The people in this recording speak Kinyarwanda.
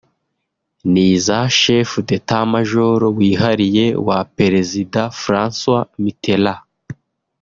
n’iza chef d’état-major wihariye wa Perezida François Mitterrand